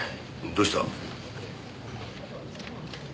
どうした？